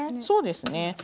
そうですね。